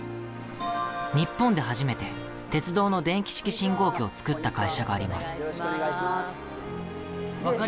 日本で初めて鉄道の電気式信号機を作った会社があります。